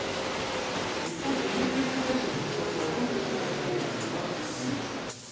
一方で、医療提供体制のひっ迫は、なんとしても避けなければなりません。